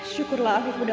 syukurlah aku udah percaya